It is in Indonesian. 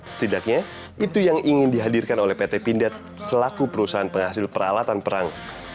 setidaknya itu yang ingin dihadirkan oleh pt pindad selaku perusahaan penghasil peralatan perang